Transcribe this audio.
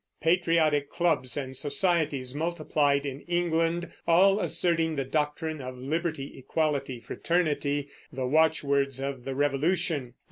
Patriotic clubs and societies multiplied in England, all asserting the doctrine of Liberty, Equality, Fraternity, the watchwords of the Revolution.